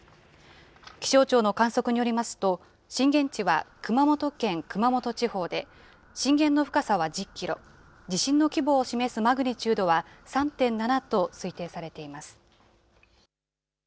気象庁の観測によりますと、震源地は熊本県熊本地方で、震源の深さは１０キロ、地震の規模を示すマグニチュードは３．７と推定されています。